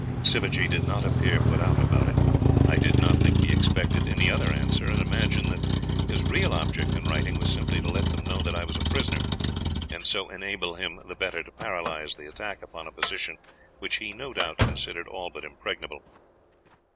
Sivajee did not appear put out about it. I do not think he expected any other answer, and imagine that his real object in writing was simply to let them know that I was a prisoner, and so enable him the better to paralyze the attack upon a position which he no doubt considered all but impregnable.